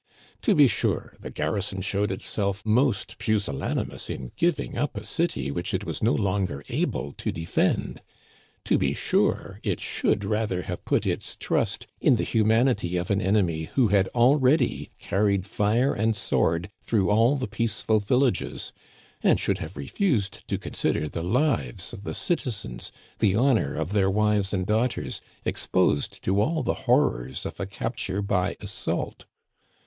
To be sure the garrison showed itself most pusillanimous in giving up a city which it was no longer able to defend ! To be sure it should rather haye put its trust in the humanity of an enemy who had already carried fire and sword through all the peaceful villages, and should have refused to con sider the lives of the citizens, the honor of their wives and daughters, exposed to all the horrors of a capture by assault